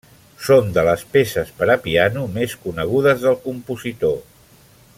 Són de les peces per a piano més conegudes del compositor.